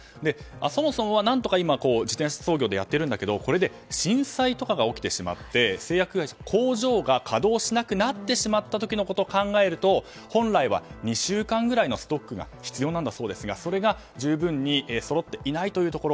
そもそもは、何とか今自転車操業でやってるんだけどこれで震災とかが起きてしまって製薬会社や工場が稼働しなくなってしまった時のことを考えると本来は２週間くらいのストックが必要だそうですがそれが十分にそろっていないところ。